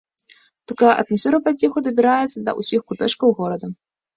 Такая атмасфера паціху дабіраецца да ўсіх куточкаў горада.